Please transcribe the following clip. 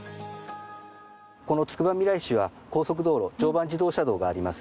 このつくばみらい市は高速道路常磐自動車道があります